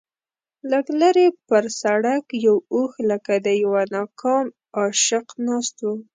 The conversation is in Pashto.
لږ لرې پر سړک یو اوښ لکه د یوه ناکام عاشق ناست و.